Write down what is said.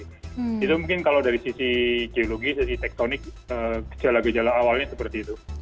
itu mungkin kalau dari sisi geologi sisi tektonik gejala gejala awalnya seperti itu